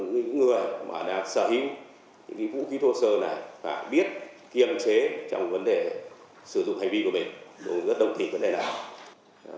những người mà đã sở hữu vũ khí thô sơ này phải biết kiềm chế trong vấn đề sử dụng hành vi của mình đối với đồng thị vấn đề nào